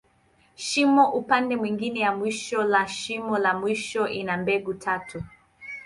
Shimo upande mwingine ya mwisho la shimo la mwisho, ina mbegu tatu.